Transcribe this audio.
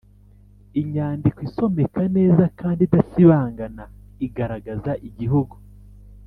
inyandiko isomeka neza kandi idasibangana igaragaza igihugu